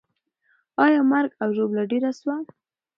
آیا مرګ او ژوبله ډېره سوه؟